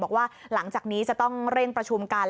บอกว่าหลังจากนี้จะต้องเร่งประชุมกัน